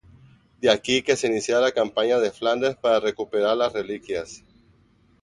De aquí que se iniciara la campaña de Flandes para recuperar las reliquias.